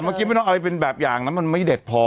เมื่อกี้ไม่ต้องเอาไปเป็นแบบอย่างนั้นมันไม่เด็ดพอ